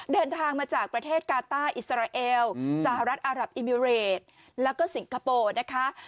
เดินทางมาจากประเทศกาต้าอิสราเอลสหรัฐอารับอิมิเรตแล้วก็สิงคโปร์นะคะ